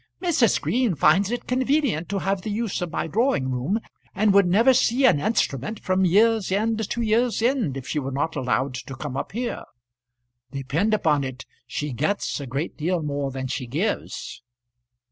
"Mrs. Green finds it convenient to have the use of my drawing room, and would never see an instrument from year's end to year's end if she were not allowed to come up here. Depend upon it she gets a great deal more than she gives."